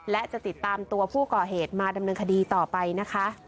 และจะติดตามตัวผู้ก่อเหตุมาดำเนินคดีต่อไปนะคะ